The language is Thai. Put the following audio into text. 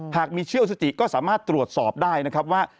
หากมีเชี่ยวสติก็สามารถตรวจสอบได้นะครับว่า